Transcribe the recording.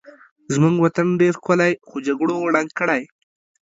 زمونږ وطن ډېر ښکلی خو جګړو ړنګ کړی